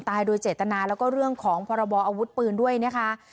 โดยเจตนาแล้วก็เรื่องของพรบออาวุธปืนด้วยนะคะ